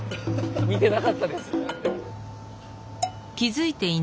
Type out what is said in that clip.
見てなかったです。